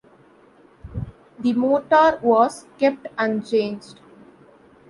The motor was kept unchanged.